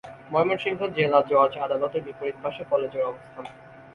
ময়মনসিংহ জেলা জজ আদালতের বিপরীত পাশে কলেজের অবস্থান।